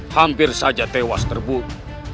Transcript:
hampir saja tewas terbukti